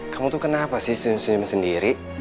kamu tuh kenapa sih senyum senyum sendiri